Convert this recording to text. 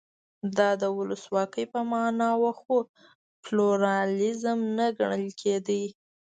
دا د ولسواکۍ په معنا و خو پلورالېزم نه ګڼل کېده.